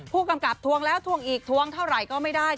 ผู้กำกับทวงแล้วทวงอีกทวงเท่าไหร่ก็ไม่ได้